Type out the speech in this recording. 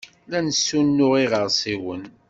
La nessunuɣ iɣersiwen.